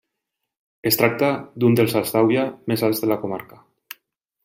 Es tracta d'un dels salts d'aigua més alts de la comarca.